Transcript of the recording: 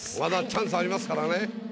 まだチャンスありますからね。